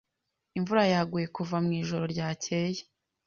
Imvura yaguye kuva mwijoro ryakeye.